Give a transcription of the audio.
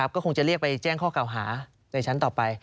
ก็คงจะเรียกไปแจ้งข้อเก่าหาในชั้นต่อไป